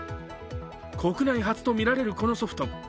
国内初とみられるこのソフト。